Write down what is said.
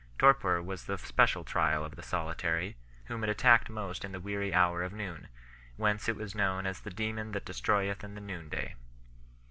Torpor was the special trial of the solitary, whom it attacked most in the weary hour of noon, whence it was known as the demon that destroyeth in the noon day 7